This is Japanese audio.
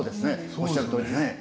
おっしゃるとおりね。